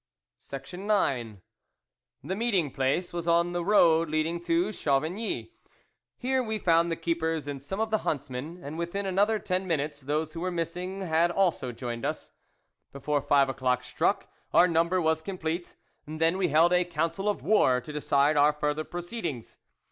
IX meeting place was on the road leading to Chavigny. Here we found the keepers and some of the huntsmen, and within another ten minutes those who were missing had also joined us. Before 10 THE WOLF LEADER five o'clock struck, our number was com plete, and then we held a council of war to decide our further proceedings.